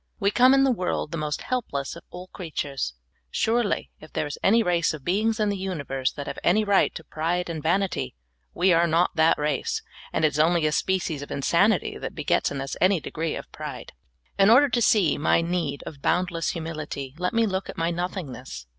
We come in the world the most helpless of all creatures. Surely, if there is any race of beings in the universe that have any right to pride and vanity, we are not that race, and it is only a species of insanit}' that begets in us an}^ degree of pride. In order to see my need of boundless humilit}', let me look at my nothingness.